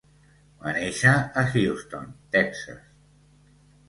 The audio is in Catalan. Va néixer a Houston, Texas.